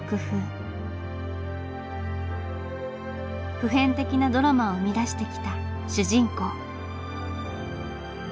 普遍的なドラマを生み出してきた主人公。